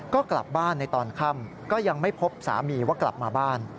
ก็กลับบ้านในตอนค่ำก็ยังไม่พบสามีว่ากลับมาบ้าน